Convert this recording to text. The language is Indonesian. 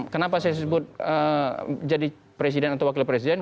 kenapa saya sebut jadi presiden atau wakil presiden